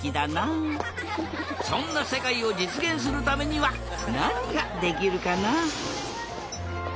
そんなせかいをじつげんするためにはなにができるかな？